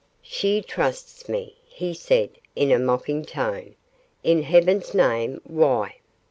'She trusts me,' he said, in a mocking tone. 'In heaven's name, why?